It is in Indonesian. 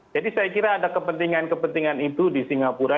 jadi saya kira ada kepentingan kepentingan itu di singapura